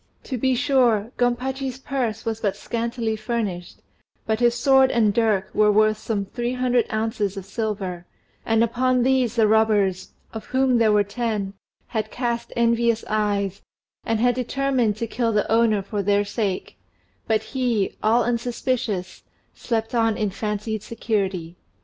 To be sure, Gompachi's purse was but scantily furnished, but his sword and dirk were worth some three hundred ounces of silver, and upon these the robbers (of whom there were ten) had cast envious eyes, and had determined to kill the owner for their sake; but he, all unsuspicious, slept on in fancied security.